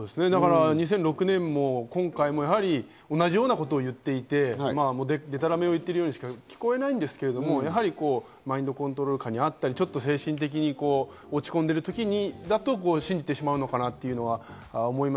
２００６年も今回も同じようなことを言っていて、デタラメを言ってるようにしか聞こえないんですけれども、マインドコントロール下にあったり、精神的に落ち込んでる時にまぁ、信じてしまうのかなと思います。